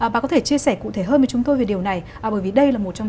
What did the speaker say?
bà có thể chia sẻ cụ thể hơn với chúng tôi về điều này bởi vì đây là một trong